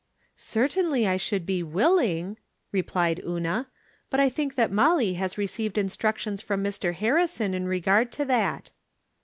" Certainly I should be willing" replied Una, " but I think that MoUy has received instructions from Mr. Harrison in regard to that."